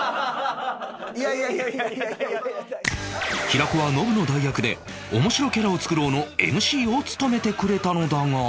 平子はノブの代役で「面白キャラを作ろう」の ＭＣ を務めてくれたのだが